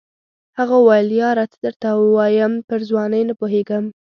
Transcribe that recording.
هغه وویل یاره څه درته ووایم پر ځوانۍ نه پوهېږم.